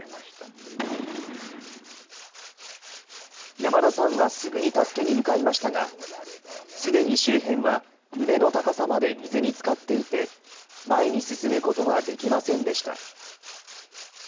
山田さんはすぐに助けに向かいましたが、すでに周辺は胸の高さまで水につかっていて、前に進むことはできませんでした。